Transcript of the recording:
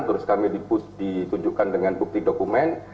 terus kami ditunjukkan dengan bukti dokumen